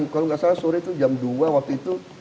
kalau nggak salah sore itu jam dua waktu itu